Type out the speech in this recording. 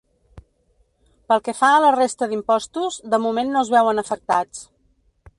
Pel que fa a la resta d’impostos, de moment no es veuen afectats.